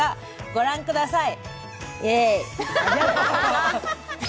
ご覧ください。